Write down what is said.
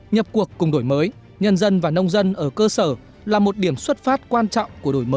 nhập cuộc cùng đổi mới nhân dân và nông dân ở cơ sở là một điểm xuất phát quan trọng của đổi mới